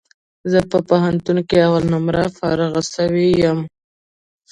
زه په پوهنتون کي اول نمره فارغ سوی یم